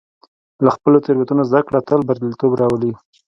له خپلو تېروتنو زده کړه تل بریالیتوب راولي.